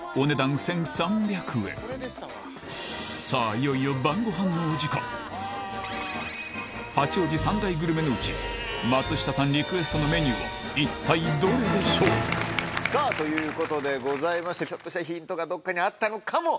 いよいよ八王子３大グルメのうち松下さんリクエストのメニューは一体どれでしょう？ということでございましてひょっとしたら。